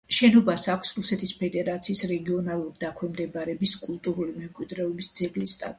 შენობას აქვს რუსეთის ფედერაციის რეგიონალური დაქვემდებარების კულტურული მემკვიდრეობის ძეგლის სტატუსი.